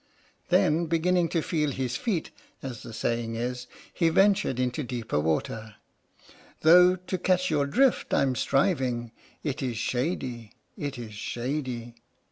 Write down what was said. Then, beginning to feel his feet, as the saying is, he ventured into deeper water: Though to catch your drift I'm striving, It is shady — it is shady.